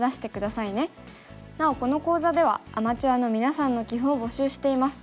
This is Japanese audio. なおこの講座ではアマチュアのみなさんの棋譜を募集しています。